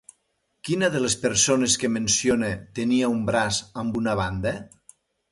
Quina de les persones que menciona tenia un braç amb una banda?